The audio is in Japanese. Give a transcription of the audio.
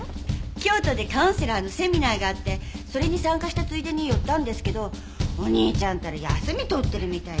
京都でカウンセラーのセミナーがあってそれに参加したついでに寄ったんですけどお兄ちゃんったら休み取ってるみたいで。